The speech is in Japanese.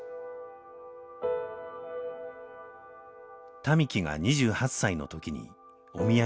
民喜が２８歳の時にお見合い結婚。